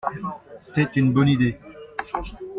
C’est une bonne idée.